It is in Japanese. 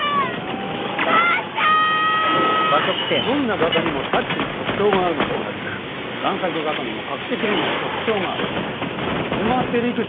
どんな画家にもタッチの特徴があるのと同じく贋作画家にも隠しきれない特徴がある。